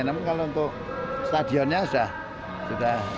namun kalau untuk stadionnya sudah